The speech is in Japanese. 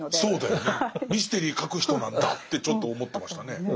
そうだよねミステリー書く人なんだってちょっと思ってましたね。